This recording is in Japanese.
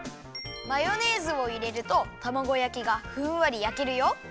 マヨネーズをいれるとたまご焼きがふんわり焼けるよ。